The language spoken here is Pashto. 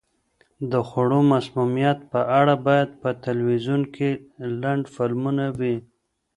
د خوړو مسمومیت په اړه باید په تلویزیون کې لنډ فلمونه وي.